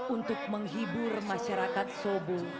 untuk menghibur masyarakat sobo